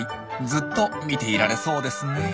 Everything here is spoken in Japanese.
ずっと見ていられそうですねえ。